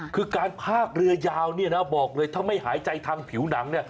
คือการพากเรือยาวเนี่ยนะบอกเลยถ้าไม่หายใจทางผิวหนังเนี่ย